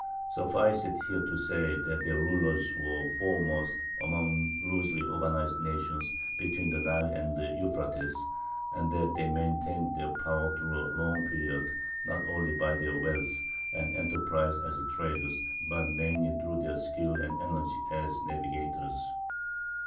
Suffice it here to say that their rulers were foremost among the loosely organized "nations" between the Nile and the Euphrates, and that they maintained their power through a long period, not only by their wealth and enterprise as traders, but mainly through their skill and energy as navigators.